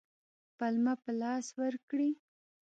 پلمه په لاس ورکړي.